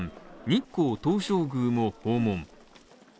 日光東照宮も訪問。